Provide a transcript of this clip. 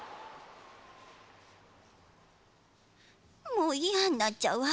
もういやんなっちゃうわ。